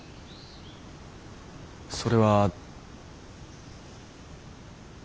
それは？